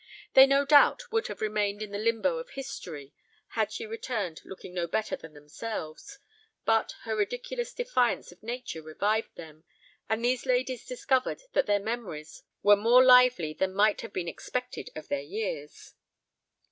They no doubt would have remained in the limbo of history had she returned looking no better than themselves, but her ridiculous defiance of nature revived them, and these ladies discovered that their memories were more lively than might have been expected of their years.